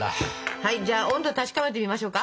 はいじゃあ温度確かめてみましょうか。